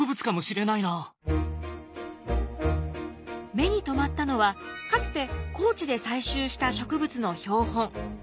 目に留まったのはかつて高知で採集した植物の標本。